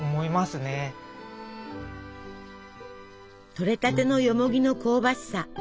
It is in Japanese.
とれたてのよもぎの香ばしさ。